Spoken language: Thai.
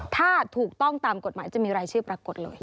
ถ้าถูกต้องตามกฎหมายจะมีรายชื่อปรากฏเลย